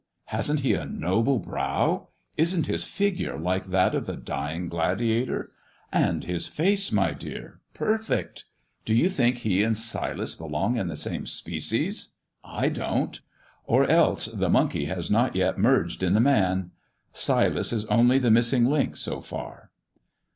Hasn't he a noble brow 1 Isn't his figure like that of The Dying Gladiator 1 And his face, my dear, perfect ! Do you think he and Silas belong to the same species 1 I don't. Or else the monkey has not yet merged in the man. Silas is only the missing link so far."